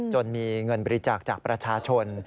จนมีเงินบริจาคจากประชาชน